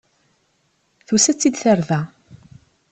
Tusa-tt-id tarda.